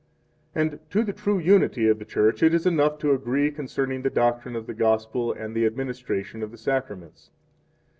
2 And to the true unity of the Church it is enough to agree concerning the doctrine of the Gospel and 3 the administration of the Sacraments.